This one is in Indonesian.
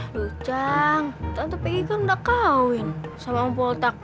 aduh cang tante pegi kan udah kawin sama om potak